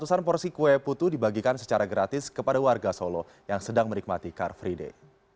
ratusan porsi kue putu dibagikan secara gratis kepada warga solo yang sedang menikmati car free day